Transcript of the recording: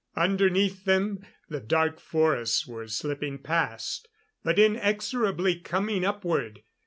Underneath them, the dark forests were slipping past; but inexorably coming upward.